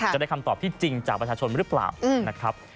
จะได้คำตอบที่จริงจากประชาชนหรือเปล่านะครับ